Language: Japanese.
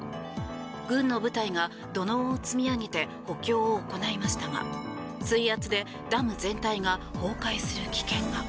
軍の部隊が土のうを積み上げて補強を行いましたが水圧でダム全体が崩壊する危険が。